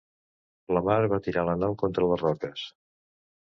La mar va tirar la nau contra les roques.